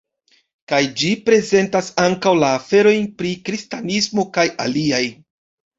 Kaj ĝi prezentas ankaŭ la aferojn pri kristanismo kaj aliaj.